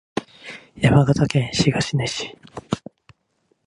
山形県東根市